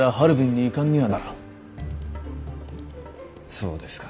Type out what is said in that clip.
そうですか。